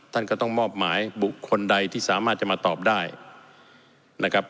ท่านก็ต้องมอบหมายบุคคลใดที่สามารถจะมาตอบได้นะครับ